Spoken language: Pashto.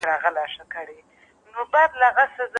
ما غوښتل چې په ښوونځي کې بې وزله نجونو ته علم ورکړم.